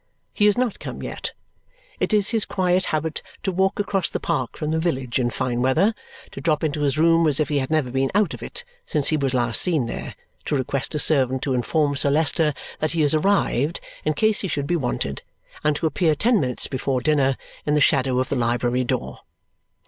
He is not come yet. It is his quiet habit to walk across the park from the village in fine weather, to drop into this room as if he had never been out of it since he was last seen there, to request a servant to inform Sir Leicester that he is arrived in case he should be wanted, and to appear ten minutes before dinner in the shadow of the library door.